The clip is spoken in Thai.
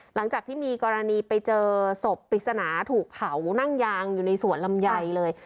หลังจากที่มีกรณีไปเจอศพปริศนาถูกเผานั่งยางอยู่ในสวนลำไยเลย